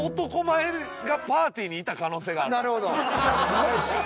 なるほど。